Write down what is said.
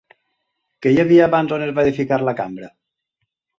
Què hi havia abans on es va edificar la cambra?